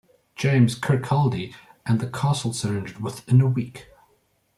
James Kirkcaldy and the castle surrendered within a week.